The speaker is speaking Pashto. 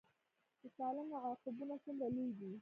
د سالنګ عقابونه څومره لوی دي؟